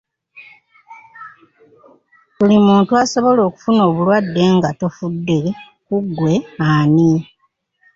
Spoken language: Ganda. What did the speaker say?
Buli muntu asobola okufuna obulwadde nga tofudde ku ggwe ani.